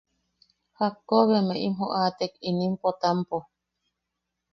–¿Jakko be emeʼe im joʼatek inim Potampo?